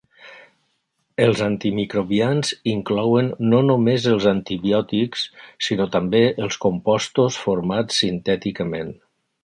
Els antimicrobians inclouen no només els antibiòtics sinó també els compostos formats sintèticament.